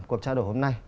cuộc trao đổi hôm nay